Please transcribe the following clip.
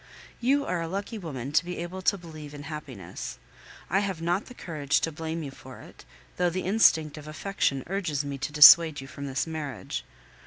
You are a lucky woman to be able to believe in happiness. I have not the courage to blame you for it, though the instinct of affection urges me to dissuade you from this marriage.